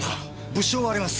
物証はあります。